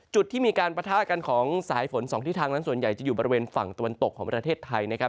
จุดที่มีการปะทะกันของสายฝนสองทิศทางนั้นส่วนใหญ่จะอยู่บริเวณฝั่งตะวันตกของประเทศไทยนะครับ